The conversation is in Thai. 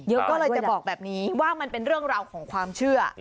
ก็เลยจะบอกแบบนี้ว่ามันเป็นเรื่องราวของความเชื่อ